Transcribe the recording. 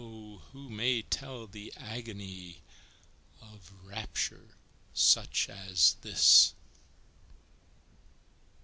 who may tell the agony Of rapture such as this?